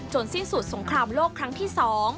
สิ้นสุดสงครามโลกครั้งที่๒